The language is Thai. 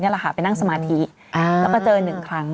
แหละค่ะไปนั่งสมาธิแล้วก็เจอหนึ่งครั้ง